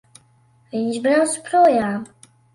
Viņš brauc projām!